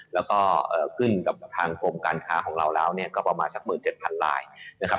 แล้วก็ขึ้นกับทางกรมการค้าของเราแล้วเนี่ยก็ประมาณสัก๑๗๐๐ลายนะครับ